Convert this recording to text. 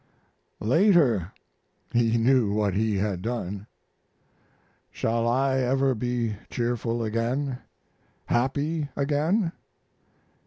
Later he knew what he had done. Shall I ever be cheerful again, happy again?